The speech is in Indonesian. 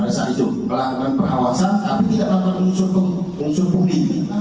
pada saat itu melakukan perawasan tapi tidak melakukan unsur unsur pungli